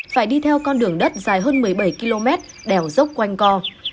phải đi theo con đường đất dài hơn một mươi bảy km đèo dốc quanh co